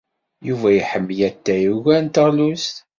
Yuba iḥemmel atay ugar n teɣlust.